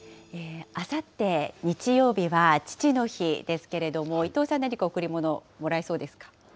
あさって日曜日は父の日ですけれども、伊藤さん、何か贈り物もらえそうですか。